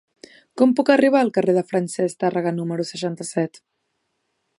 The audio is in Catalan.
Com puc arribar al carrer de Francesc Tàrrega número seixanta-set?